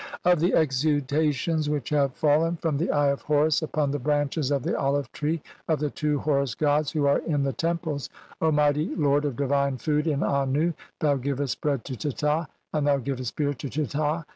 (33 1) "Of the exudations which have fallen from "the Eye of Horus upon the branches of the olive "tree of the two Horus gods who are in the temples, "0 mighty lord of divine food in Annu, thou givest "bread to Teta and thou givest beer to Teta.